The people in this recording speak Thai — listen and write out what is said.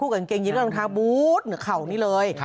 คู่กับเกงยินการท้าบู๊ดเหนือเข่านี้เลย